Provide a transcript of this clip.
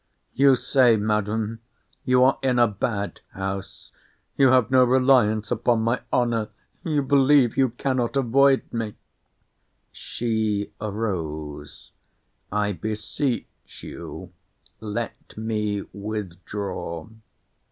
You say, Madam, you are in a bad house. You have no reliance upon my honour—you believe you cannot avoid me—— She arose. I beseech you, let me withdraw.